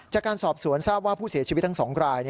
จากการสอบสวนทราบว่าผู้เสียชีวิตทั้ง๒ราย